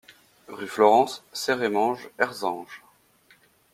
Rue Florence, Serémange-Erzange